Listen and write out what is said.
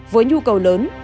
với nhu cầu lớn